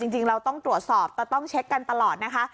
จริงเราต้องตรวจสอบแต่ต้องเช็คกันตลอดนะคะ